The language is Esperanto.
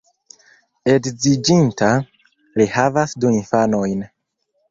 Edziĝinta, li havas du infanojn.